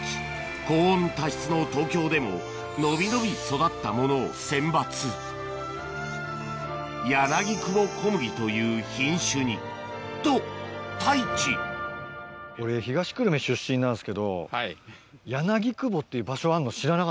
高温多湿の東京でも伸び伸び育ったものを選抜柳久保小麦という品種にと太一西の端なんですか。